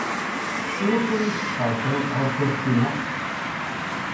Iwacu ur yi-d-teqqareḍ kra n tɣawsa ur ssineɣ?